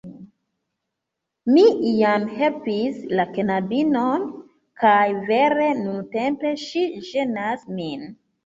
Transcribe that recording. Mi iam helpis la knabinon, kaj vere nuntempe ŝi ĝenas min.